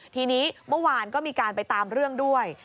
ทีนี้เมื่อวานก็มีการไปตามเรื่องด้วย